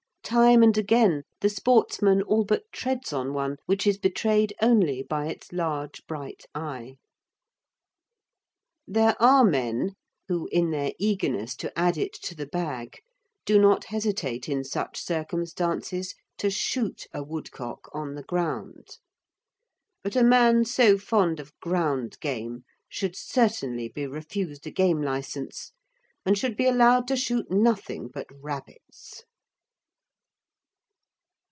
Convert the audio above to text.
Time and again the sportsman all but treads on one, which is betrayed only by its large bright eye. There are men who, in their eagerness to add it to the bag, do not hesitate in such circumstances to shoot a woodcock on the ground, but a man so fond of ground game should certainly be refused a game licence and should be allowed to shoot nothing but rabbits.